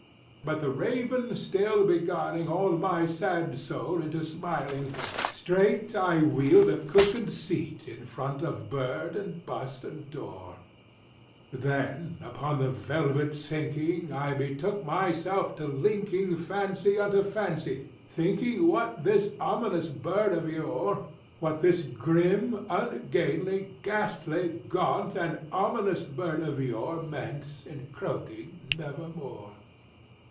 '" But the raven still beguiling all my sad soul into smiling, Straight I wheeled a cushioned seat in front of bird, and bust and door; Then, upon the velvet sinking, I betook myself to linking Fancy unto fancy, thinking what this ominous bird of yore— What this grim, ungainly, ghastly, gaunt and ominous bird of yore Meant in croaking "Nevermore."